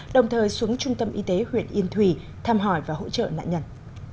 đồng thời xuống trung tâm y tế huyện yên thùy thăm hỏi và hỗ trợ nạn nhân